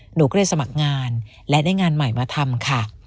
หนูก็เลยสมัครงานและได้งานใหม่มาทำค่ะ